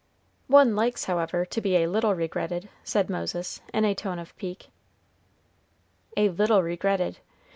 "One likes, however, to be a little regretted," said Moses, in a tone of pique. "A little regretted!"